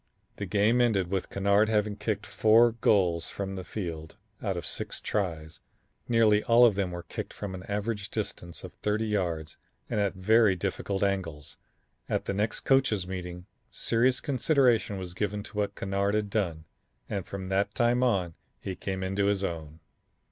The game ended with Kennard having kicked four goals from the field out of six tries. Nearly all of them were kicked from an average distance of thirty yards and at very difficult angles. At the next coaches' meeting serious consideration was given to what Kennard had done and from that time on he came into his own.